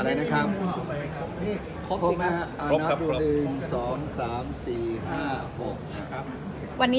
อันนี้ครบอีกครับ